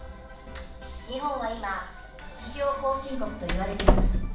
日本は今起業後進国といわれています